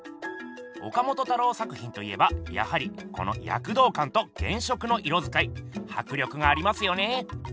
岡本太郎作品と言えばやはりこのやくどうかんと原色の色づかいはく力がありますよね。